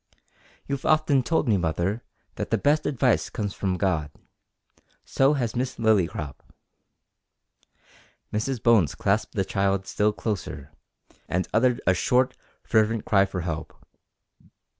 "You've often told me, mother, that the best advice comes from God. So has Miss Lillycrop." Mrs Bones clasped the child still closer, and uttered a short, fervent cry for help.